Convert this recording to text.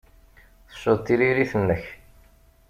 Tecceḍ tririt-nnek.